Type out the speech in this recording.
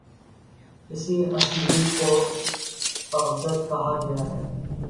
اسی اسلوب کو تغزل کہا گیا ہے